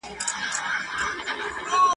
وېره حق ده خو له چا؟ !.